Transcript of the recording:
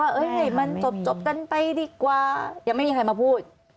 ให้มันจบกันไปดีกว่ายังไม่มีใครมาพูด